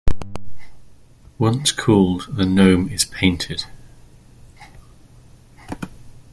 Once cooled, the gnome is painted.